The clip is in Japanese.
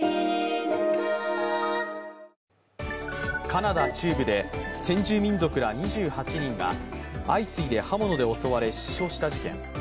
カナダ中部で先住民族ら２８人が相次いで刃物で襲われ死傷した事件。